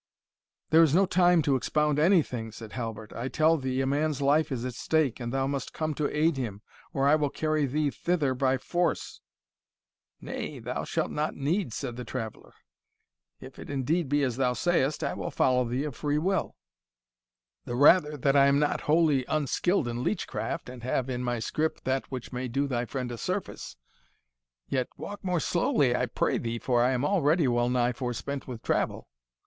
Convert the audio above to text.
"There is no time to expound any thing," said Halbert; "I tell thee a man's life is at stake, and thou must come to aid him, or I will carry thee thither by force!" "Nay, thou shalt not need," said the traveller; "if it indeed be as thou sayest, I will follow thee of free will the rather that I am not wholly unskilled in leech craft, and have in my scrip that which may do thy friend a service Yet walk more slowly, I pray thee, for I am already well nigh forespent with travel."